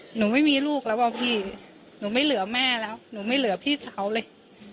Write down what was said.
หนูไม่มีลูกแล้วป่ะพี่หนูไม่เหลือแม่แล้วหนูไม่เหลือพี่สาวเลย